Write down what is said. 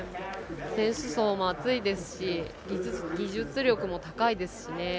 選手層も厚いですし技術力も高いですしね。